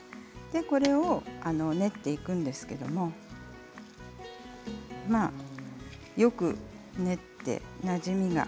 これを練っていくんですけれどよく練ってなじみが。